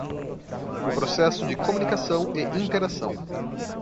No processo de comunicação e interação